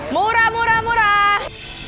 murah murah murah